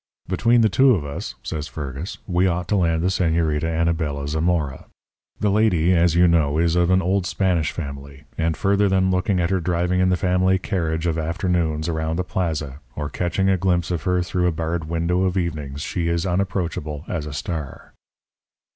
"'Between the two of us,' says Fergus, 'we ought to land the Señorita Anabela Zamora. The lady, as you know, is of an old Spanish family, and further than looking at her driving in the family carruaje of afternoons around the plaza, or catching a glimpse of her through a barred window of evenings, she is as unapproachable as a star.'